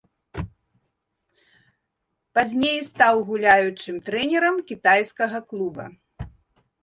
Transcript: Пазней стаў гуляючым трэнерам кітайскага клуба.